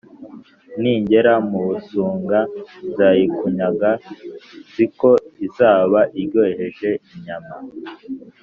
nigera mu busuga nzayikunyaga, nzi ko izaba iryoheje inyama !»